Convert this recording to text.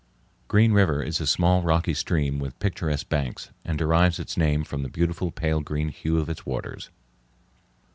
Green River is a small rocky stream with picturesque banks, and derives its name from the beautiful pale green hue of its waters.